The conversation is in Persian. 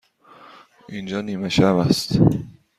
اینجا نیمه شب است.